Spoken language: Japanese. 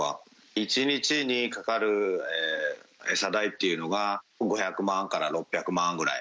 １日にかかる餌代っていうのが、５００万から６００万ぐらい。